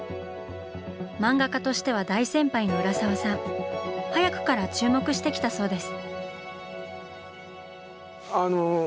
漫画家としては大先輩の浦沢さん早くから注目してきたそうです。